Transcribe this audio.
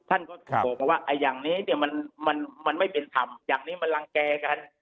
ท่านก็บอกมาว่าอย่างนี้เนี่ยมันไม่เป็นธรรมอย่างนี้มันรังแก่กัน